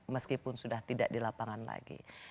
meskipun sudah tidak di lapangan lagi